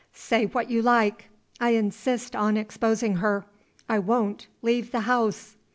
Say what you like, I insist on exposing her; I won't leave the house!"